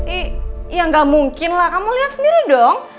iya gak mungkin lah kamu lihat sendiri dong